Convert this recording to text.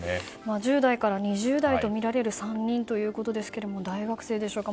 １０代から２０代とみられる３人ということですが大学生でしょうか。